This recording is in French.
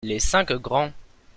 Les cinq grands.